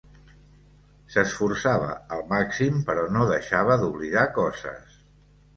S'esforçava al màxim, però no deixava d'oblidar coses.